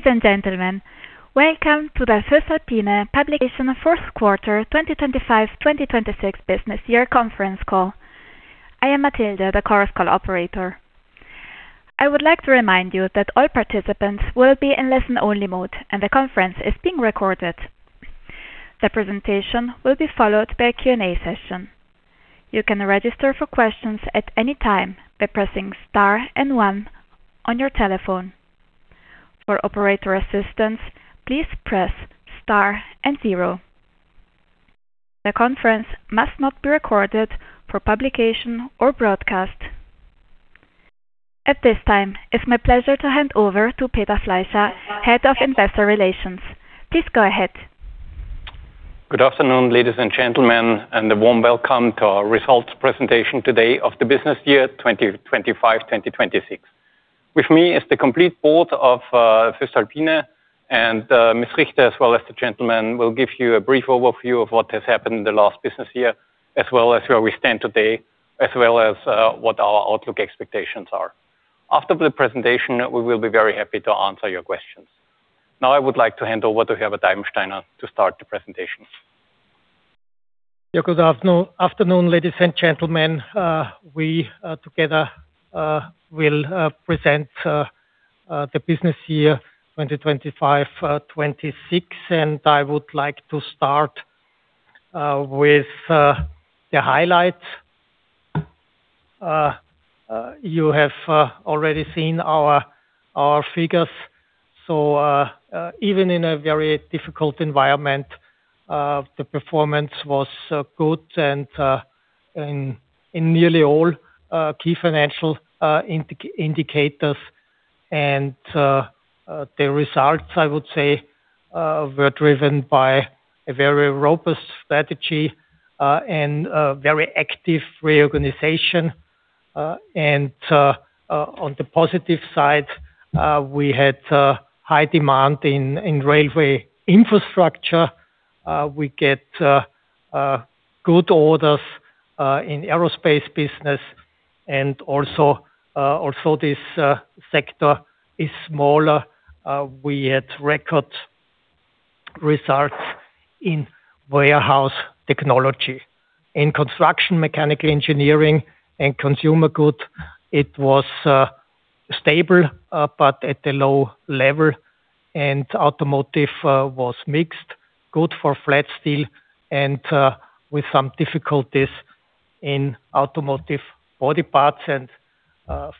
Ladies and gentlemen, welcome to the voestalpine publication fourth quarter 2025/2026 business year conference call. I am Matilda, the Chorus Call operator. I would like to remind you that all participants will be in listen-only mode, and the conference is being recorded. The presentation will be followed by a Q&A session. You can register for questions at any time by pressing star and one on your telephone. For operator assistance, please press star and zero. The conference must not be recorded for publication or broadcast. At this time, it's my pleasure to hand over to Peter Fleischer, Head of Investor Relations. Please go ahead. Good afternoon, ladies and gentlemen, a warm welcome to our results presentation today of the business year 2025/2026. With me is the complete Board of voestalpine, and Ms. Richter, as well as the gentlemen, will give you a brief overview of what has happened in the last business year, as well as where we stand today, as well as what our outlook expectations are. After the presentation, we will be very happy to answer your questions. Now, I would like to hand over to Herbert Eibensteiner to start the presentation. Good afternoon, ladies and gentlemen. We together will present the business year 2025/2026. I would like to start with the highlights. You have already seen our figures. Even in a very difficult environment, the performance was good and in nearly all key financial indicators. The results, I would say, were driven by a very robust strategy and a very active reorganization. On the positive side, we had high demand in railway infrastructure. We get good orders in Aerospace business and also this sector is smaller. We had record results in warehouse technology. In construction, mechanical engineering, and consumer goods, it was stable but at a low level, and Automotive was mixed, good for flat steel, and with some difficulties in Automotive body parts.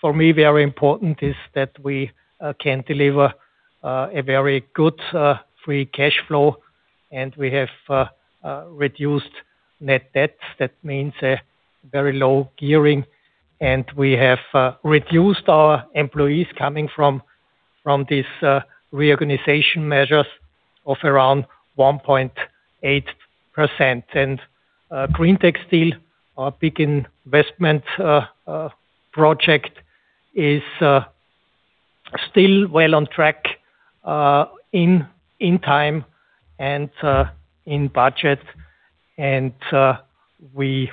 For me, very important is that we can deliver a very good free cash flow, and we have reduced net debt. That means a very low gearing. We have reduced our employees coming from these reorganization measures of around 1.8%. greentec steel, our big investment project, is still well on track in time and in budget. We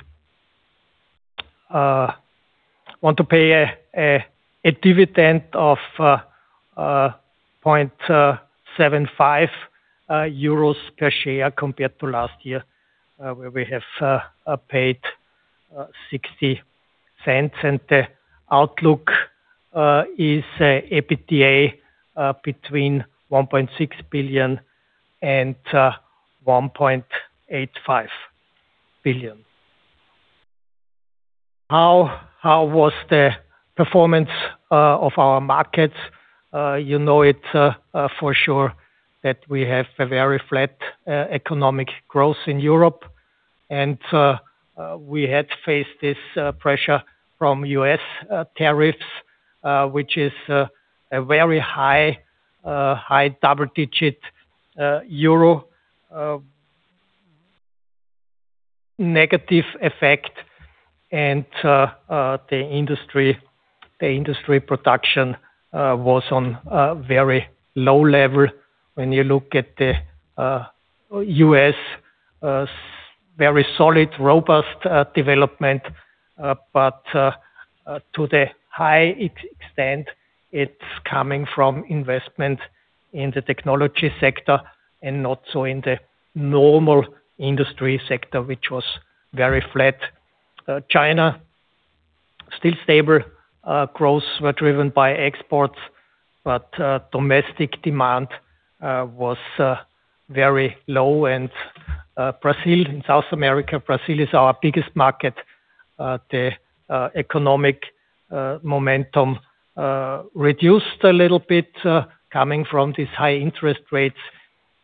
want to pay a dividend of 0.75 euros per share compared to last year, where we have paid 0.60. The outlook is EBITDA between 1.6 billion and 1.85 billion. How was the performance of our markets? You know it for sure that we have a very flat economic growth in Europe, and we had faced this pressure from U.S. tariffs, which is a very high double-digit euro negative effect. The industry production was on a very low level. When you look at the U.S., very solid, robust development, but to the high extent, it's coming from investment in the technology sector and not so in the normal industry sector, which was very flat. China, still stable. Growth was driven by exports, but domestic demand was very low. Brazil, in South America, Brazil is our biggest market. The economic momentum reduced a little bit, coming from these high interest rates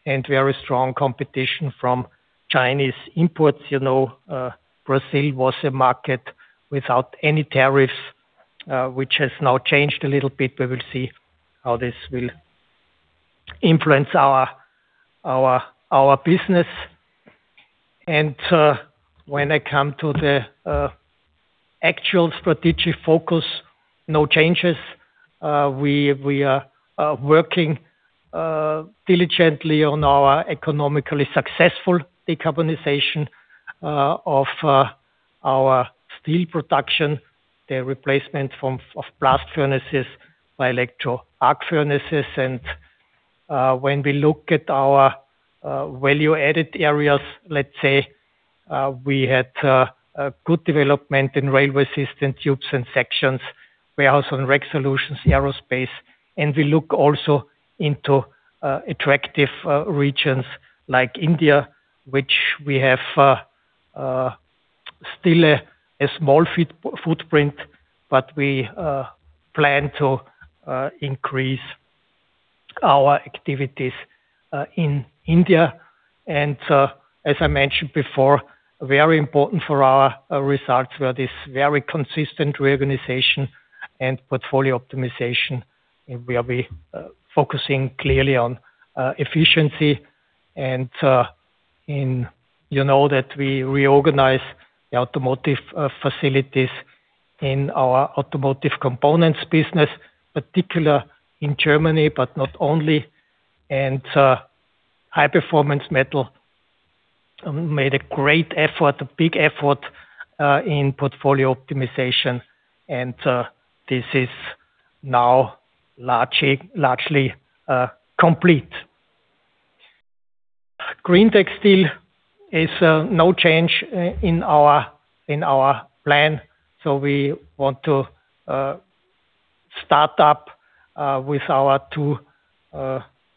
and very strong competition from Chinese imports. Brazil was a market without any tariffs, which has now changed a little bit. We will see how this will influence our business. When I come to the actual strategic focus, no changes. We are working diligently on our economically successful decarbonization of our steel production, the replacement of blast furnaces by electric arc furnaces. When we look at our value-added areas, let's say we had good development in Railway Systems, tubes and sections. We are also in Rack Solutions, Aerospace, and we look also into attractive regions like India, which we have still a small footprint, but we plan to increase our activities in India. As I mentioned before, very important for our results were this very consistent reorganization and portfolio optimization, where we're focusing clearly on efficiency, and you know that we reorganized the Automotive facilities in our Automotive Components business, particular in Germany, but not only. High Performance Metals made a great effort, a big effort in portfolio optimization. This is now largely complete. greentec steel is no change in our plan. We want to start up with our two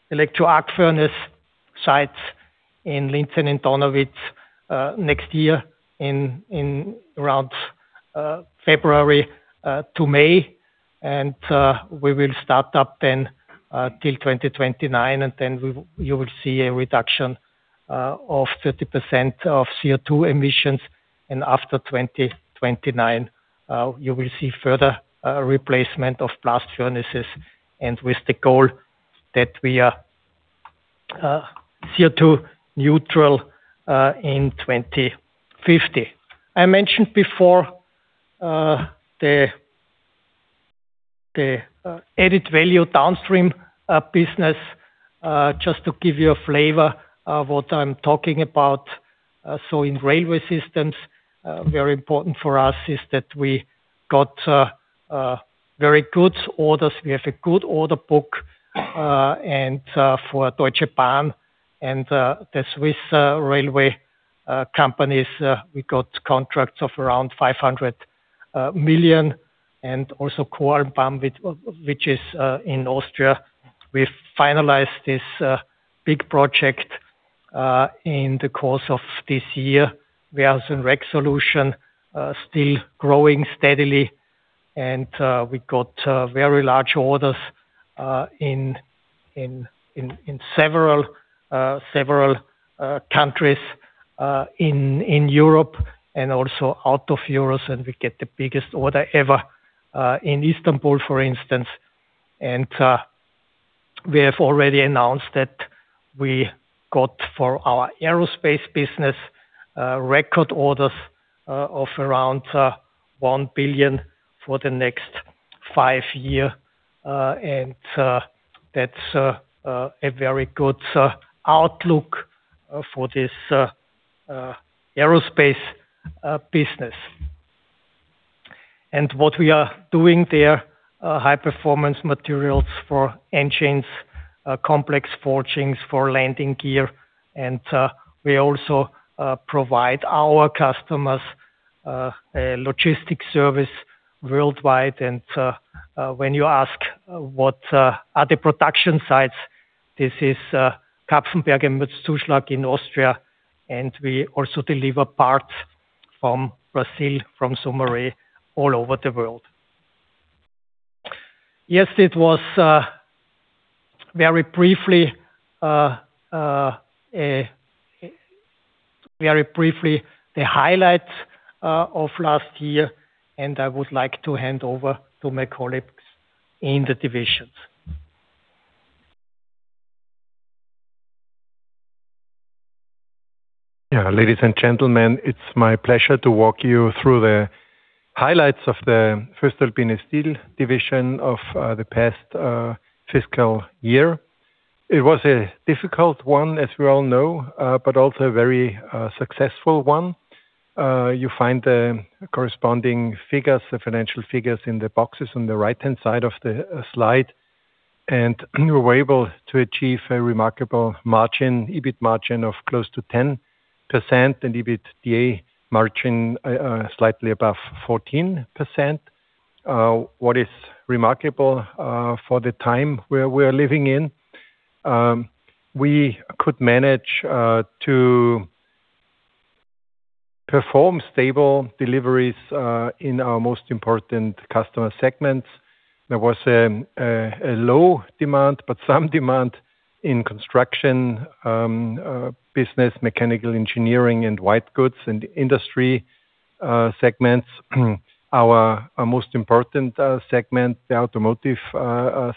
electric arc furnace sites in Linz and Donawitz next year in around February to May. We will start up then till 2029, then you will see a reduction of 30% of CO2 emissions. After 2029, you will see further replacement of blast furnaces with the goal that we are CO2 neutral in 2050. I mentioned before the added value downstream business, just to give you a flavor of what I am talking about. In Railway Systems, very important for us is that we got very good orders. We have a good order book, for Deutsche Bahn and the Swiss railway companies, we got contracts of around 500 million and also Koralmbahn, which is in Austria. We finalized this big project in the course of this year. We are also in Rack Solutions, still growing steadily. We got very large orders in several countries in Europe and also out of Europe, and we get the biggest order ever in Istanbul, for instance. We have already announced that we got for our Aerospace business, record orders of around 1 billion for the next five year. That's a very good outlook for this Aerospace business. What we are doing there, high performance materials for engines, complex forgings for landing gear. We also provide our customers a logistic service worldwide. When you ask what are the production sites, this is Kapfenberg and Mürzzuschlag in Austria, and we also deliver parts from Brazil, from Sumaré all over the world. Yes, it was very briefly the highlights of last year, and I would like to hand over to my colleagues in the divisions. Yeah. Ladies and gentlemen, it's my pleasure to walk you through the highlights of the voestalpine Steel Division of the past fiscal year. It was a difficult one, as we all know, but also a very successful one. You find the corresponding figures, the financial figures in the boxes on the right-hand side of the slide. We were able to achieve a remarkable margin, EBIT margin of close to 10% and EBITDA margin slightly above 14%. What is remarkable for the time where we're living in, we could manage to perform stable deliveries in our most important customer segments. There was a low demand, but some demand in construction business, mechanical engineering and white goods in the industry segments. Our most important segment, the Automotive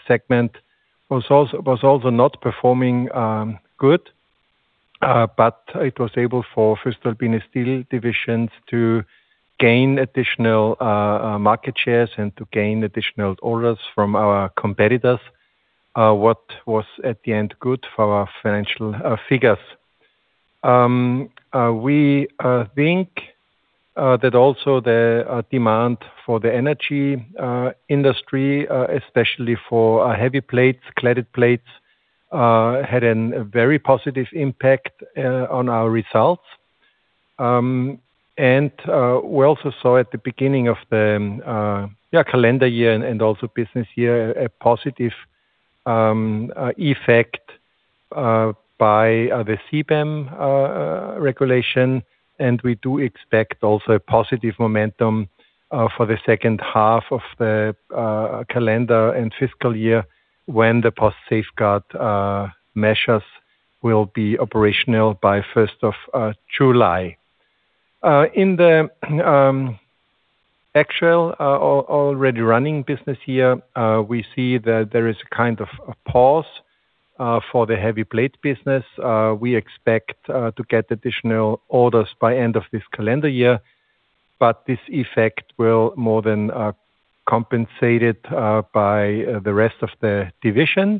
segment, was also not performing good, but it was able for voestalpine Steel Division to gain additional market shares and to gain additional orders from our competitors. What was at the end good for our financial figures. We think that also the demand for the energy industry, especially for heavy plates, cladded plates, had a very positive impact on our results. We also saw at the beginning of the calendar year and also business year, a positive effect by the CBAM regulation. We do expect also a positive momentum for the second half of the calendar and fiscal year when the post-safeguard measures will be operational by 1st of July. In the actual already running business year, we see that there is a kind of a pause for the heavy plate business. We expect to get additional orders by end of this calendar year, but this effect will more than compensated by the rest of the division.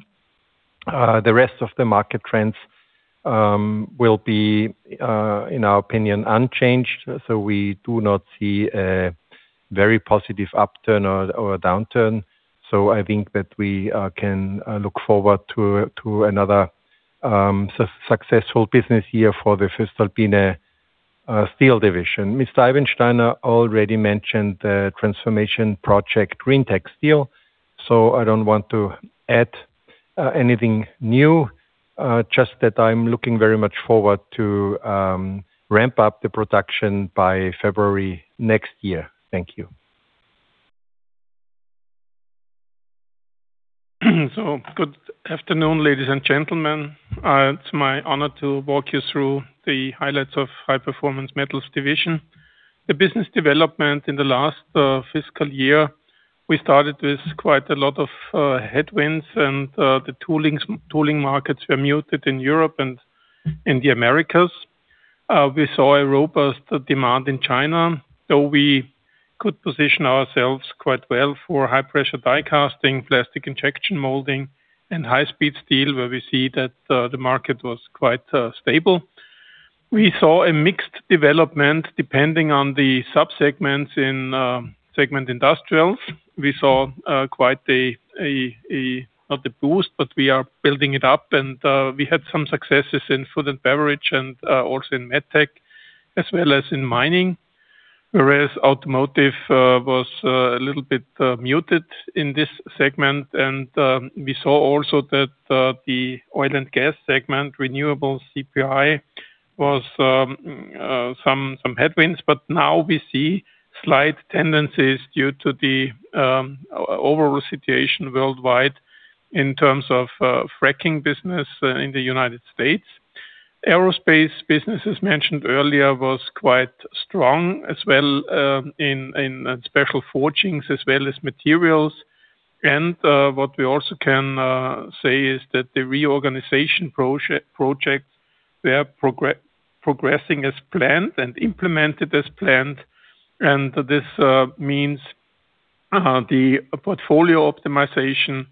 The rest of the market trends will be, in our opinion, unchanged. We do not see a very positive upturn or downturn. I think that we can look forward to another successful business year for the voestalpine Steel Division. Mr. Eibensteiner already mentioned the transformation project, greentec steel, so I don't want to add anything new, just that I'm looking very much forward to ramp up the production by February next year. Thank you. Good afternoon, ladies and gentlemen. It's my honor to walk you through the highlights of High Performance Metals Division. The business development in the last fiscal year, we started with quite a lot of headwinds and the tooling markets were muted in Europe and in the Americas. We saw a robust demand in China, though we could position ourselves quite well for high pressure die casting, plastic injection molding, and high-speed steel, where we see that the market was quite stable. We saw a mixed development depending on the sub-segments in segment Industrials. We saw quite, not a boost, but we are building it up, and we had some successes in Food & Beverage and also in medtech as well as in mining. Whereas Automotive was a little bit muted in this segment. We saw also that the oil & gas segment, renewable CPI, was some headwinds. Now we see slight tendencies due to the overall situation worldwide in terms of fracking business in the United States. Aerospace business, as mentioned earlier, was quite strong as well in special forgings as well as materials. What we also can say is that the reorganization projects, they are progressing as planned and implemented as planned. This means the portfolio optimization,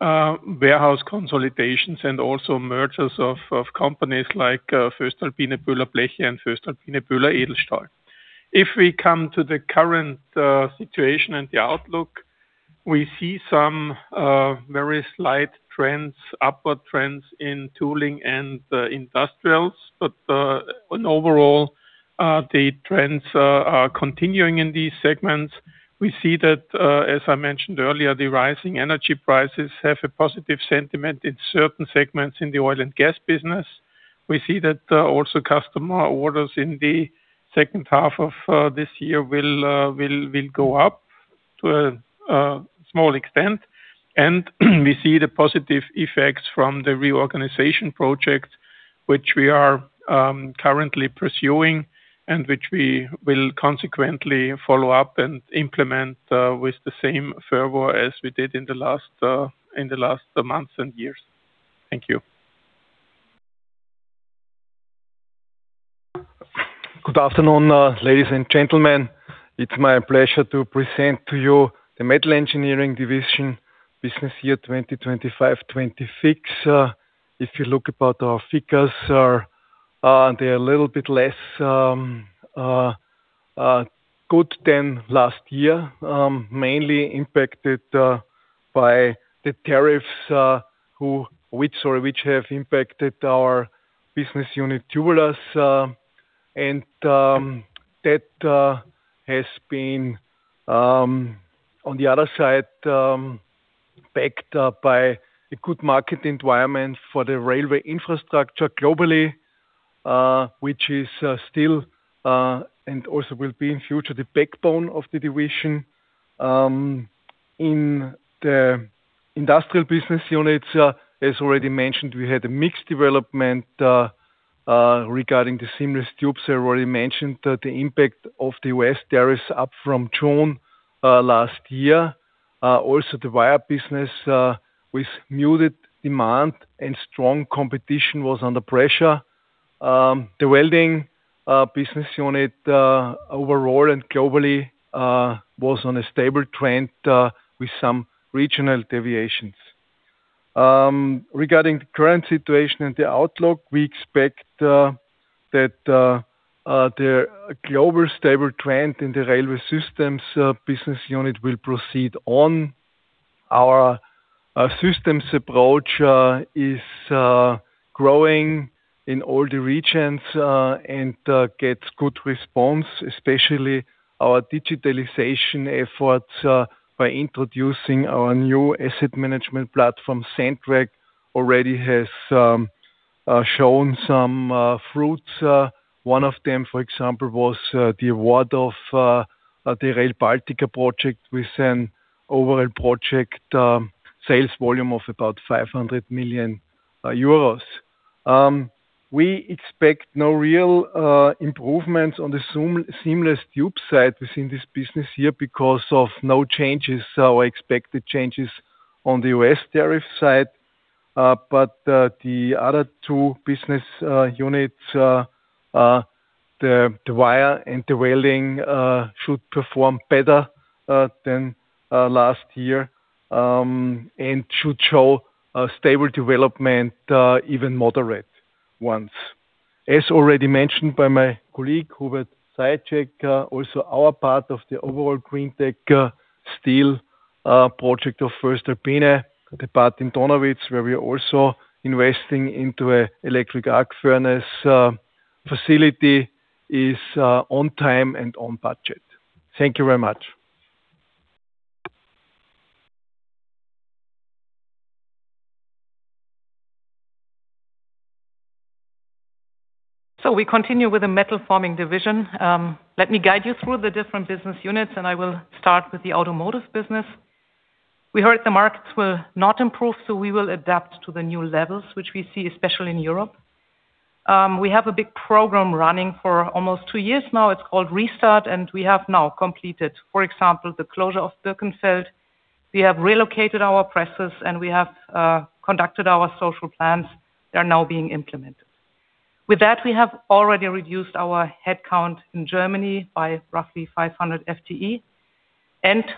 warehouse consolidations, and also mergers of companies like voestalpine BÖHLER Bleche and voestalpine BÖHLER Edelstahl. If we come to the current situation and the outlook, we see some very slight trends, upward trends in tooling and industrials. On overall, the trends are continuing in these segments. We see that, as I mentioned earlier, the rising energy prices have a positive sentiment in certain segments in the oil & gas business. We see that also customer orders in the second half of this year will go up to a small extent. We see the positive effects from the reorganization project, which we are currently pursuing and which we will consequently follow up and implement with the same fervor as we did in the last months and years. Thank you. Good afternoon, ladies and gentlemen. It's my pleasure to present to you the Metal Engineering Division business year 2025/2026. If you look about our figures, they're a little bit less good than last year. Mainly impacted by the tariffs which have impacted our business unit Tubulars, and that has been, on the other side, backed by a good market environment for the railway infrastructure globally, which is still, and also will be in future, the backbone of the division. In the industrial business units, as already mentioned, we had a mixed development regarding the seamless tubes. I already mentioned the impact of the U.S. tariffs up from June last year. Also the wire business with muted demand and strong competition was under pressure. The welding business unit, overall and globally, was on a stable trend with some regional deviations. Regarding the current situation and the outlook, we expect that the global stable trend in the Railway Systems business unit will proceed on. Our systems approach is growing in all the regions and gets good response, especially our digitalization efforts by introducing our new asset management platform. zentrak already has shown some fruits. One of them, for example, was the award of the Rail Baltica project with an overall project sales volume of about 500 million euros. We expect no real improvements on the seamless tube side within this business year because of no changes or expected changes on the U.S. tariff side. The other two business units, the wire and the welding, should perform better than last year, and should show a stable development, even moderate ones. As already mentioned by my colleague, Hubert Zajicek, also our part of the overall greentec steel project of voestalpine, the part in Donawitz, where we are also investing into an electric arc furnace facility, is on time and on budget. Thank you very much. We continue with the Metal Forming Division. Let me guide you through the different business units. I will start with the Automotive business. We heard the markets will not improve. We will adapt to the new levels, which we see, especially in Europe. We have a big program running for almost two years now. It's called RESTART. We have now completed, for example, the closure of Birkenfeld. We have relocated our presses. We have conducted our social plans. They are now being implemented. With that, we have already reduced our headcount in Germany by roughly 500 FTE.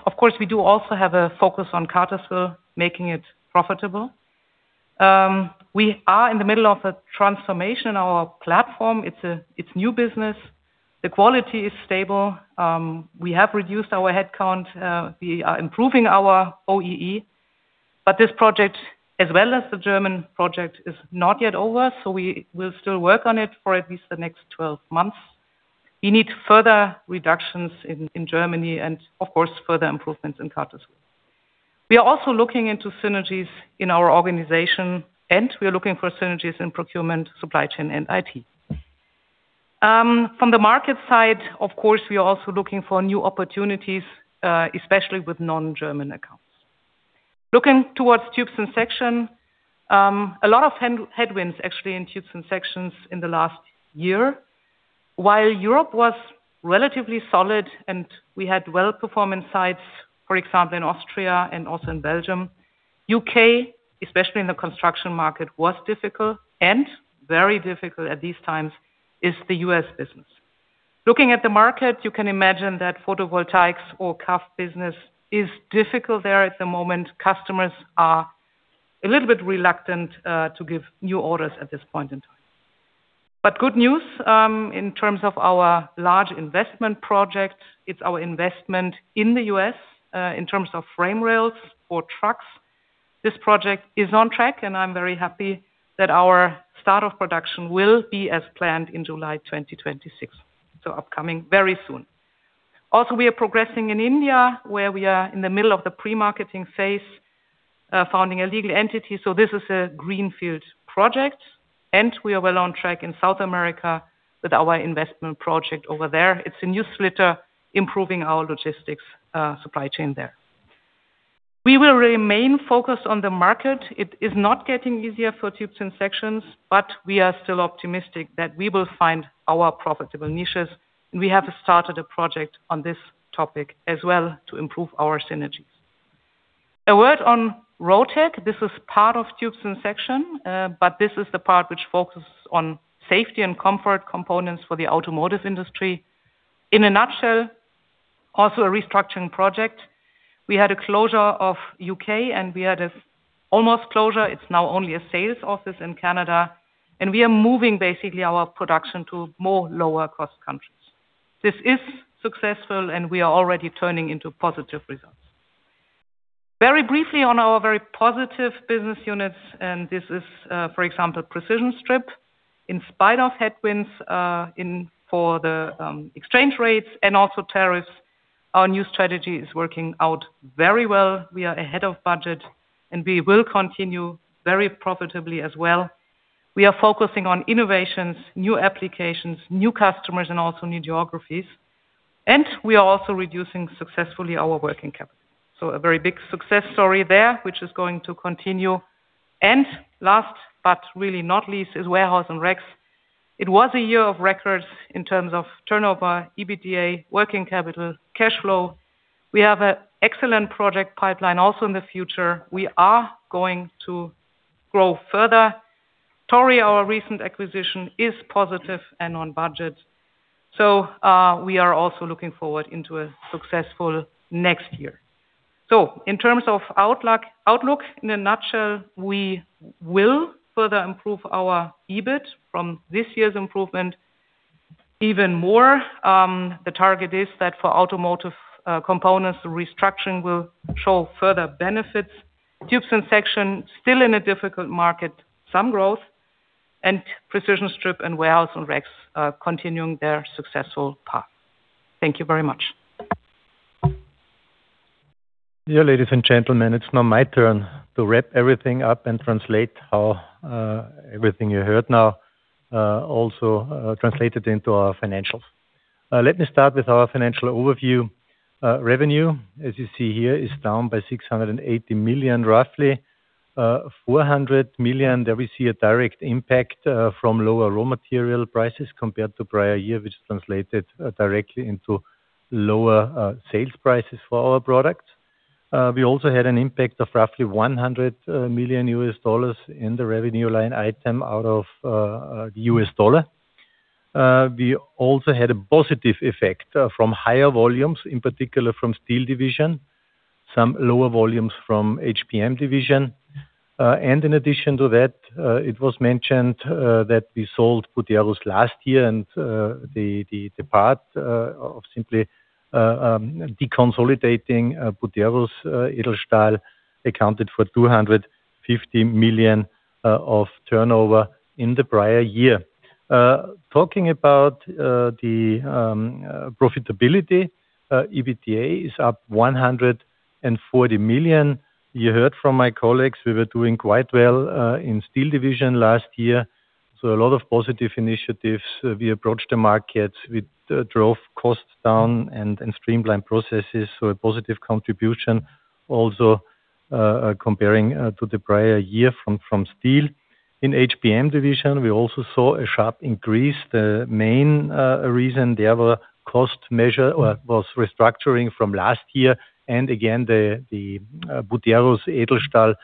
Of course, we do also have a focus on Cartersville, making it profitable. We are in the middle of a transformation in our platform. It's new business. The quality is stable. We have reduced our headcount. We are improving our OEE. This project, as well as the German project, is not yet over. We will still work on it for at least the next 12 months. We need further reductions in Germany. Of course, further improvements in Cartersville. We are also looking into synergies in our organization. We are looking for synergies in procurement, supply chain, and IT. From the market side, of course, we are also looking for new opportunities, especially with non-German accounts. Looking towards tubes and sections, a lot of headwinds actually in tubes and sections in the last year. Europe was relatively solid and we had well-performing sites, for example, in Austria and also in Belgium. The U.K., especially in the construction market, was difficult, and very difficult at these times is the U.S. business. Looking at the market, you can imagine that photovoltaics or CAF business is difficult there at the moment. Customers are a little bit reluctant to give new orders at this point in time. Good news in terms of our large investment project, it's our investment in the U.S. in terms of frame rails for trucks. This project is on track, and I'm very happy that our start of production will be as planned in July 2026. Upcoming very soon. Also, we are progressing in India, where we are in the middle of the pre-marketing phase, founding a legal entity. This is a greenfield project, and we are well on track in South America with our investment project over there. It's a new slitter, improving our logistics supply chain there. We will remain focused on the market. It is not getting easier for tubes and sections, but we are still optimistic that we will find our profitable niches. We have started a project on this topic as well to improve our synergies. A word on Rotec. This is part of tubes and sections, but this is the part which focuses on safety and comfort components for the Automotive industry. In a nutshell, also a restructuring project. We had a closure of U.K. and we had almost closure, it is now only a sales office in Canada, and we are moving basically our production to more lower cost countries. This is successful and we are already turning into positive results. Very briefly on our very positive business units, and this is, for example, Precision Strip. In spite of headwinds for the exchange rates and also tariffs, our new strategy is working out very well. We are ahead of budget, and we will continue very profitably as well. We are focusing on innovations, new applications, new customers, and also new geographies. We are also reducing successfully our working capital. A very big success story there, which is going to continue. Last, but really not least, is Warehouse & Rack. It was a year of records in terms of turnover, EBITDA, working capital, cash flow. We have an excellent project pipeline also in the future. We are going to grow further. Torri our recent acquisition, is positive and on budget. We are also looking forward into a successful next year. In terms of outlook, in a nutshell, we will further improve our EBIT from this year's improvement even more. The target is that for Automotive Components, the restructuring will show further benefits. Tubes & Sections, still in a difficult market, some growth, and Precision Strip and Warehouse & Racks are continuing their successful path. Thank you very much. Dear ladies and gentlemen, it's now my turn to wrap everything up and translate how everything you heard now also translated into our financials. Let me start with our financial overview. Revenue, as you see here, is down by 680 million, roughly 400 million. There we see a direct impact from lower raw material prices compared to prior year, which translated directly into lower sales prices for our products. We also had an impact of roughly $100 million in the revenue line item out of the U.S. dollar. We also had a positive effect from higher volumes, in particular from Steel Division, some lower volumes from HPM Division. In addition to that, it was mentioned that we sold Buderus last year and the part of simply deconsolidating Buderus Edelstahl accounted for 250 million of turnover in the prior year. Talking about the profitability, EBITDA is up 140 million. You heard from my colleagues, we were doing quite well in Steel Division last year. A lot of positive initiatives. We approached the markets. We drove costs down and streamlined processes. A positive contribution also comparing to the prior year from Steel. In HPM Division, we also saw a sharp increase. The main reason there were cost measure was restructuring from last year and again the Buderus Edelstahl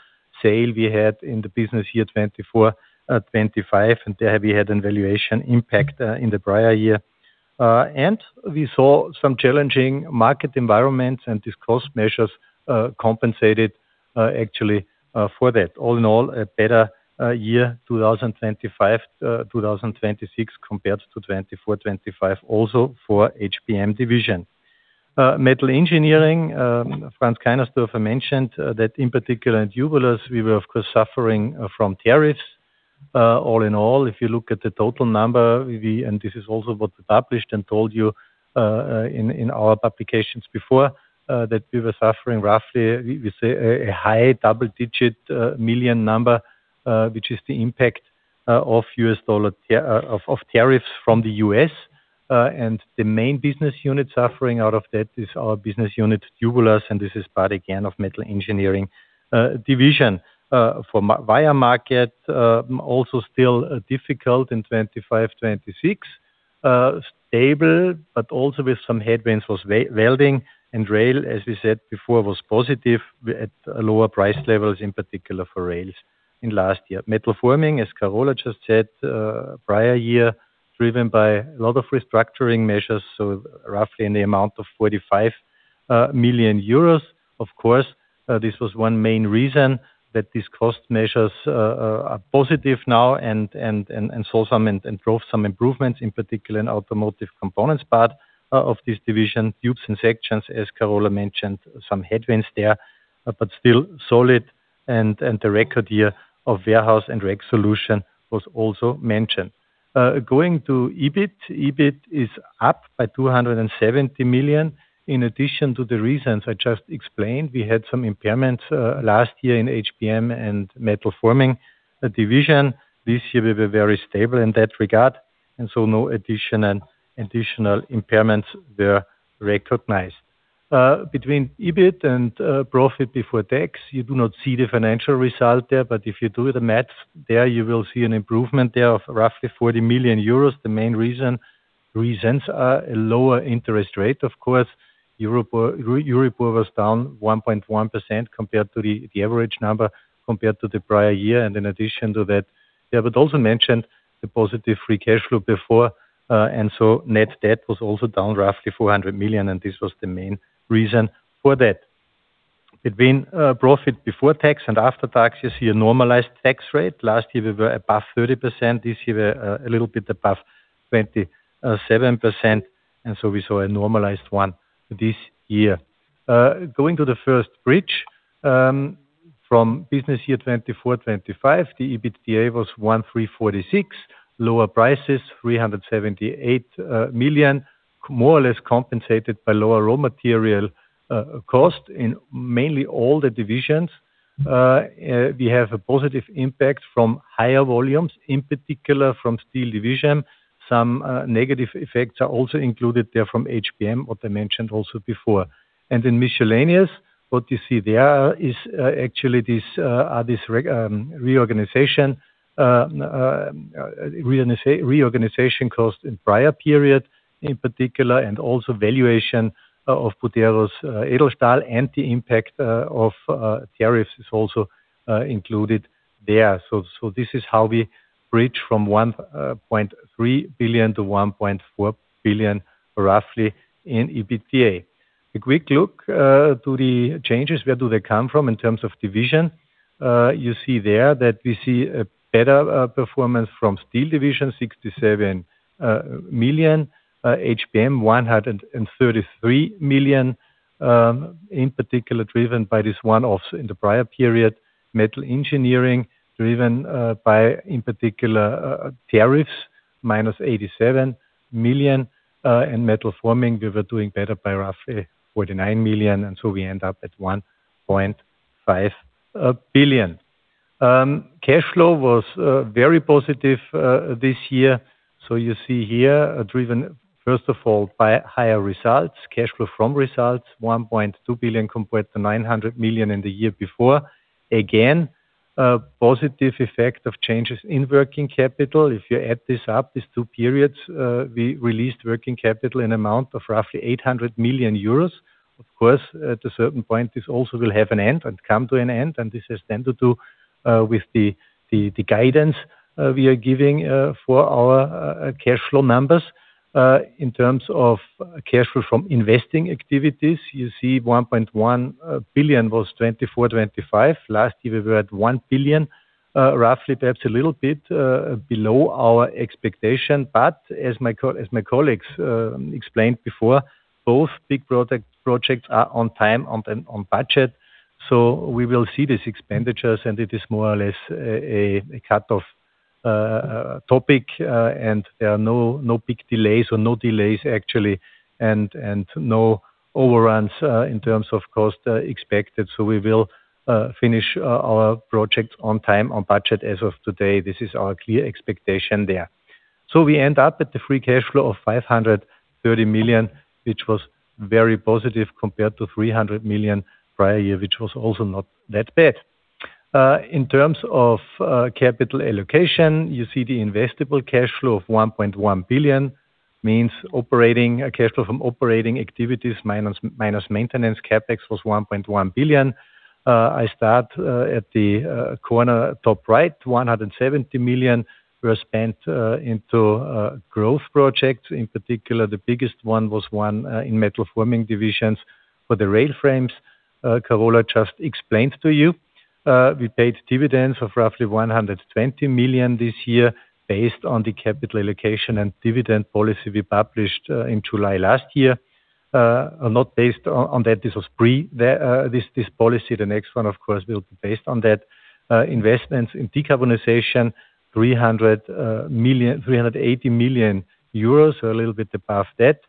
sale we had in the business year 2024/2025 and there we had an valuation impact in the prior year. We saw some challenging market environments and these cost measures compensated actually for that. All in all, a better year 2025/2026 compared to 2024/2025 also for HPM Division. Metal Engineering, Franz Kainersdorfer mentioned that in particular in Tubulars, we were of course suffering from tariffs. All in all, if you look at the total number, this is also what we published and told you in our publications before, that we were suffering roughly we say a high double digit million number which is the impact of tariffs from the U.S. The main business unit suffering out of that is our business unit, Tubulars, this is part again of Metal Engineering Division. For wire market, also still difficult in 2025/2026. Stable, but also with some headwinds was welding and rail, as we said before, was positive at lower price levels, in particular for rails in last year. Metal Forming, as Carola just said, prior year driven by a lot of restructuring measures, roughly in the amount of 45 million euros. Of course, this was one main reason that these cost measures are positive now and drove some improvements in particular in Automotive Components part of this division. Tubes & Sections, as Carola mentioned, some headwinds there, but still solid and the record year of Warehouse & Rack Solutions was also mentioned. Going to EBIT. EBIT is up by 270 million. In addition to the reasons I just explained, we had some impairments last year in HPM and Metal Forming Division. This year we were very stable in that regard. No additional impairments were recognized. Between EBIT and profit before tax, you do not see the financial result there, but if you do the math there, you will see an improvement there of roughly 40 million euros. The main reasons are a lower interest rate. Of course, Euribor was down 1.1% compared to the average number compared to the prior year. In addition to that, we have also mentioned the positive free cash flow before. Net debt was also down roughly 400 million, and this was the main reason for that. Between profit before tax and after tax, you see a normalized tax rate. Last year we were above 30%. This year we're a little bit above 27%, we saw a normalized one this year. Going to the first bridge, from business year 2024/2025, the EBITDA was 1,346 million. Lower prices, 378 million, more or less compensated by lower raw material cost in mainly all the divisions. We have a positive impact from higher volumes, in particular from Steel Division. Some negative effects are also included there from HPM, what I mentioned also before. In miscellaneous, what you see there is actually this reorganization cost in prior period in particular and also valuation of Buderus Edelstahl and the impact of tariffs is also included there. This is how we bridge from 1.3 billion to 1.4 billion roughly in EBITDA. A quick look to the changes, where do they come from in terms of division? You see there that we see a better performance from Steel Division, 67 million. HPM, 133 million, in particular driven by this one also in the prior period. Metal Engineering, driven by, in particular, tariffs, -87 million. In Metal Forming, we were doing better by roughly 49 million, we end up at 1.5 billion. Cash flow was very positive this year. You see here, driven first of all by higher results. Cash flow from results, 1.2 billion compared to 900 million in the year before. A positive effect of changes in working capital. If you add this up, these two periods, we released working capital in amount of roughly 800 million euros. Of course, at a certain point, this also will have an end and come to an end. This has then to do with the guidance we are giving for our cash flow numbers. In terms of cash flow from investing activities, you see 1.1 billion was 2024/2025. Last year, we were at 1 billion, roughly perhaps a little bit below our expectation. As my colleagues explained before, both big projects are on time and on budget. We will see these expenditures, and it is more or less a cut-off topic. There are no big delays or no delays, actually, and no overruns in terms of cost expected. We will finish our projects on time, on budget as of today. This is our clear expectation there. We end up at the free cash flow of 530 million, which was very positive compared to 300 million prior year, which was also not that bad. In terms of capital allocation, you see the investable cash flow of 1.1 billion means cash flow from operating activities minus maintenance CapEx was 1.1 billion. I start at the corner top right, 170 million were spent into growth projects. In particular, the biggest one was one in Metal Forming Division for the rail frames Carola just explained to you. We paid dividends of roughly 120 million this year based on the capital allocation and dividend policy we published in July last year. Not based on that. This was pre this policy. The next one, of course, will be based on that. Investments in decarbonization, 380 million euros, a little bit above that.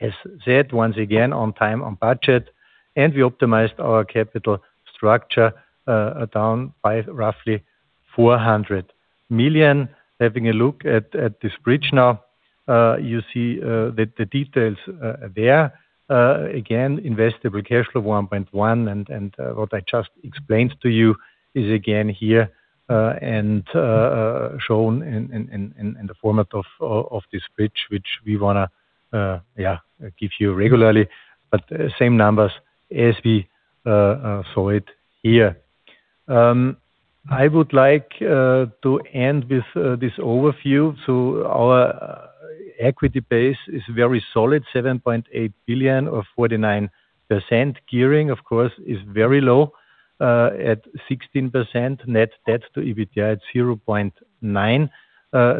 As said, once again, on time, on budget. We optimized our capital structure down by roughly 400 million. Having a look at this bridge now, you see the details there. Again, investable cash flow, 1.1 billion, and what I just explained to you is again here and shown in the format of this bridge, which we want to give you regularly. Same numbers as we saw it here. I would like to end with this overview. Our equity base is very solid, 7.8 billion or 49%. Gearing, of course, is very low at 16%. Net debt to EBITDA at 0.9x.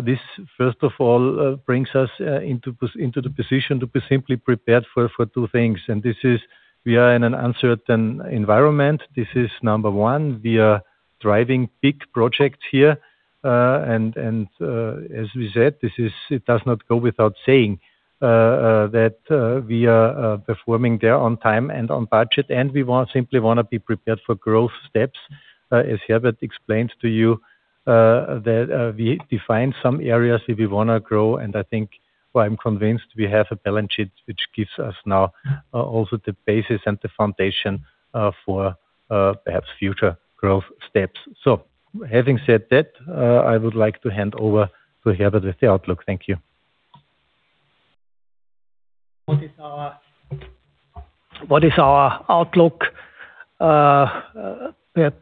This, first of all, brings us into the position to be simply prepared for two things. This is, we are in an uncertain environment. This is number one. We are driving big projects here. As we said, it does not go without saying that we are performing there on time and on budget, and we simply want to be prepared for growth steps. As Herbert explained to you, that we define some areas where we want to grow. I think, well, I'm convinced we have a balance sheet which gives us now also the basis and the foundation for perhaps future growth steps. Having said that, I would like to hand over to Herbert with the outlook. Thank you. What is our outlook?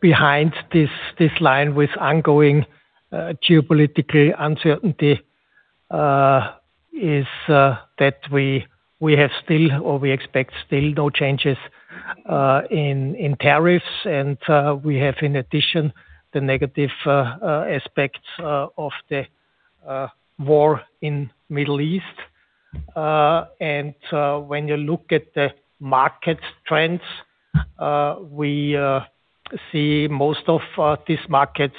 Behind this line with ongoing geopolitical uncertainty is that we have still, or we expect still, no changes in tariffs. We have, in addition, the negative aspects of the war in Middle East. When you look at the market trends, we see most of these markets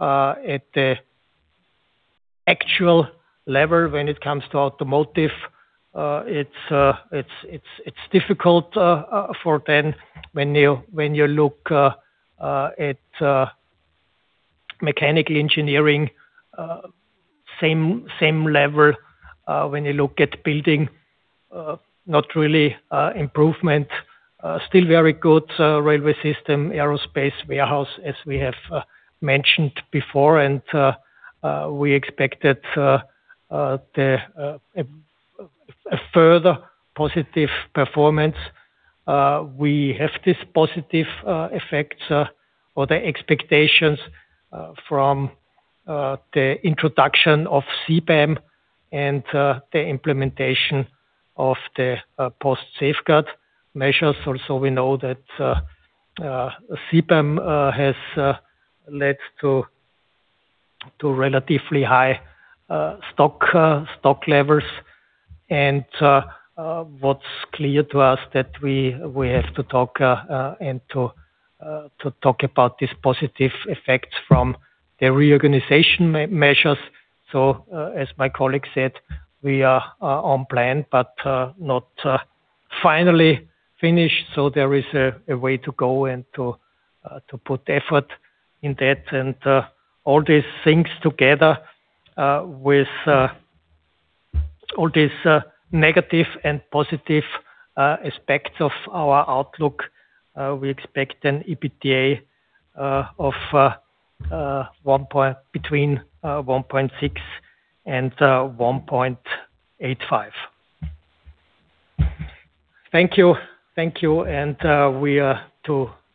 at the actual level when it comes to Automotive. It's difficult for them when you look at mechanical engineering. Same level, when you look at building, not really improvement. Still very good Railway System, Aerospace, Warehouse, as we have mentioned before. We expect that there a further positive performance. We have these positive effects or the expectations from the introduction of CBAM and the implementation of the post-safeguard measures. Also, we know that CBAM has led to relatively high stock levels. What's clear to us that we have to talk about these positive effects from the reorganization measures. As my colleague said, we are on plan, but not finally finished. There is a way to go and to put effort in that. All these things together, with all these negative and positive aspects of our outlook, we expect an EBITDA of between 1.6 billion and 1.85 billion. Thank you. Thank you, and we are